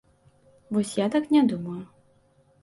Вось я так не думаю.